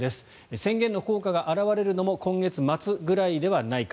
宣言の効果が表れるのも今月末くらいではないか。